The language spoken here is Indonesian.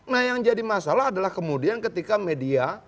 nah yang jadi masalah adalah kemudian ketika media